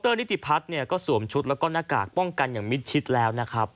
นิติพัฒน์เนี่ยก็สวมชุดแล้วก็หน้ากากป้องกันอย่างมิดชิดแล้วนะครับ